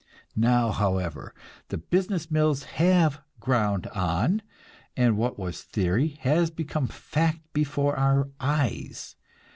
Now, however, the business mills have ground on, and what was theory has become fact before our eyes.